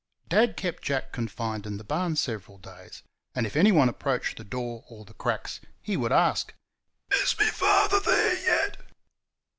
Dad kept Jack confined in the barn several days, and if anyone approached the door or the cracks he would ask: "Is me father there yet?"